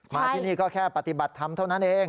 มาที่นี่ก็แค่ปฏิบัติธรรมเท่านั้นเอง